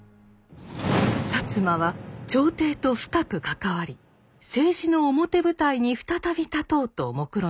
摩は朝廷と深く関わり政治の表舞台に再び立とうともくろみました。